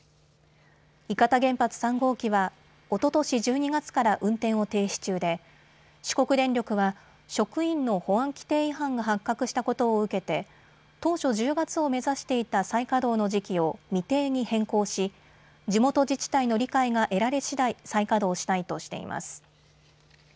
伊方原発３号機はおととし１２月から運転を停止中で四国電力は職員の保安規定違反が発覚したことを受けて当初１０月を目指していた再稼働の時期を未定に変更し地元自治体の理解が得られしだい、再稼働したいとしています。